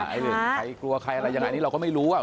ใครกลัวใครอะไรอย่างนี้เราก็ไม่รู้